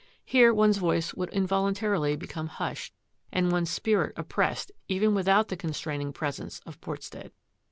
Here one's voice would involuntarily become hushed and one's spirit oppressed even without the constraining presence of Portstead.